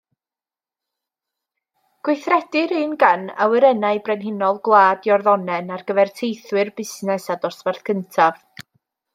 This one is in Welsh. Gweithredir un gan Awyrennau Brenhinol Gwlad Iorddonen ar gyfer teithwyr busnes a dosbarth cyntaf.